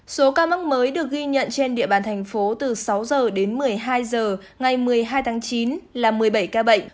số ca mắc mới được ghi nhận trên địa bàn thành phố từ sáu h đến một mươi hai h ngày một mươi hai tháng chín là một mươi bảy ca bệnh